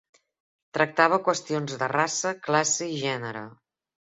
Tractava qüestions de raça, classe i gènere.